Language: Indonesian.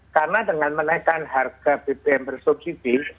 karena dengan menaikkan harga bbm bersubsidi